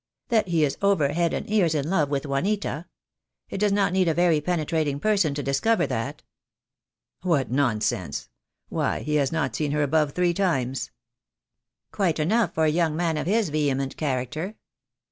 "That he is over head and ears in love with Juanita. It does not need a very penetrating person to discover that." "What nonsense! Why, he has not seen her above three times." "Quite enough for a young man of his vehement character."